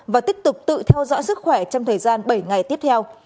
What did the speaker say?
và tiếp tục tự theo dõi sức khỏe trong thời gian bảy ngày tiếp theo